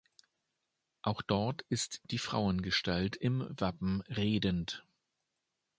Auch dort ist die Frauengestalt im Wappen redend.